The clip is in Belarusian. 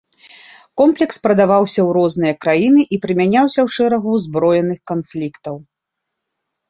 Комплекс прадаваўся у розныя краіны і прымяняўся ў шэрагу ўзброеных канфліктаў.